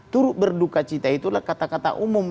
turut berduka cita itulah kata kata umum